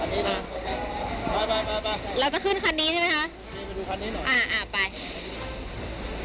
เราจะขึ้นคันนี้ใช่ไหมคะ